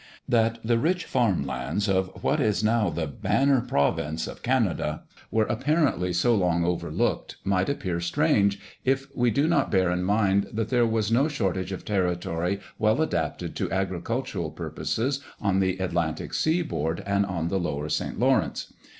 That the rich farm lands of what is now the banner province of Canada were apparently so long overlooked might appear strange, if we do not bear in mind that there was no shortage of territory well adapted to agricultural purposes on the Atlantic seaboard and on the lower St. Lawrence.